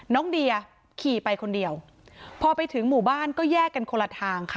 น้องเดียขี่ไปคนเดียวพอไปถึงหมู่บ้านก็แยกกันคนละทางค่ะ